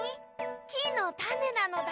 きのたねなのだ。